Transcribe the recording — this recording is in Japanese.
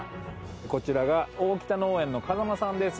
こちらが大北農園の風間さんです。